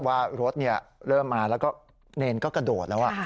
ว่ารถเริ่มมาแล้วก็เนรก็กระโดดแล้ว